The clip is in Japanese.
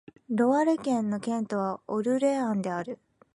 ロワレ県の県都はオルレアンである